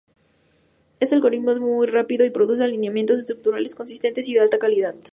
Este algoritmo es muy rápido y produce alineamientos estructurales consistentes y de alta calidad.